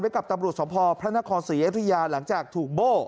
ไว้กับตำรวจสมภพพระนครศิริยะธุริยาหลังจากถูกโบ้